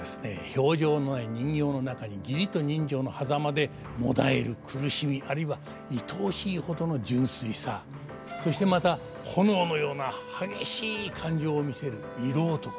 表情のない人形の中に義理と人情のはざまでもだえる苦しみあるいは愛おしいほどの純粋さそしてまた炎のような激しい感情を見せる色男。